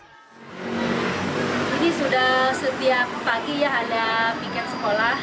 jadi sudah setiap pagi ya ada pikir sekolah